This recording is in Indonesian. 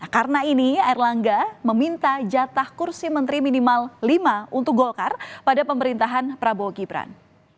karena ini airlangga meminta jatah kursi menteri minimal lima untuk golkar pada pemerintahan prabowo gibran